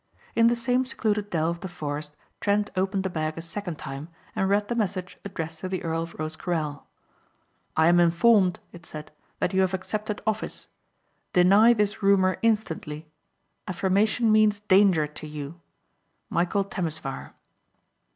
In the same secluded dell of the forest Trent opened the bag a second time and read the message addressed to the Earl of Rosecarrel. "I am informed," it said, "that you have accepted office. Deny this rumor instantly. Affirmation means danger to you. Michæl Temesvar."